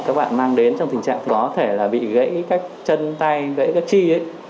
các bạn mang đến trong tình trạng có thể là bị gãy các chân tay gãy các chi đấy